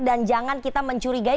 dan jangan kita mencurigai